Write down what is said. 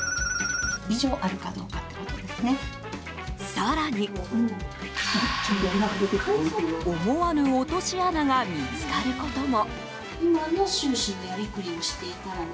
更に、思わぬ落とし穴が見つかることも。